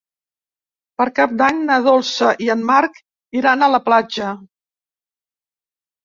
Per Cap d'Any na Dolça i en Marc iran a la platja.